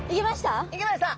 いけました？